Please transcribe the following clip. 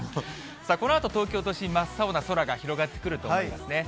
さあ、このあと、東京都心、真っ青な空が広がってくると思いますね。